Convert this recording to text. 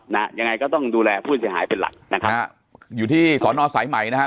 ยังไงก็ต้องดูแลผู้เสียหายเป็นหลักนะครับอยู่ที่สอนอสายใหม่นะครับ